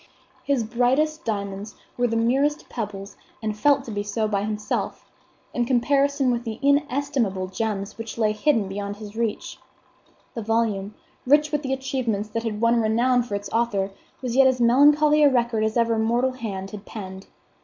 His brightest diamonds were the merest pebbles, and felt to be so by himself, in comparison with the inestimable gems which lay hidden beyond his reach. The volume, rich with achievements that had won renown for its author, was yet as melancholy a record as ever mortal hand had penned.